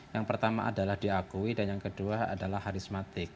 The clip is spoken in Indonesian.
yang pertama adalah diakui dan yang kedua adalah harismatik